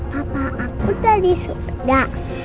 bapak aku udah di surga